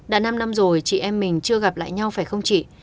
đã năm năm rồi chị em mình chưa gặp lại nhau phải không chị